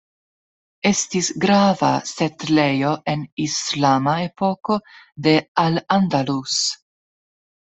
Estis grava setlejo en islama epoko de Al Andalus.